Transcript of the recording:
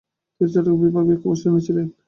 তিনি চট্টগ্রামের বিভাগীয় কমিশনার ছিলেন।